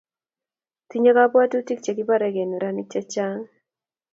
Tinyei kabwotutij che kiboregei neranik che chang'